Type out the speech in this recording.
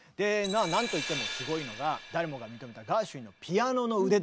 なんといってもすごいのが誰もが認めたガーシュウィンのピアノの腕ですよ。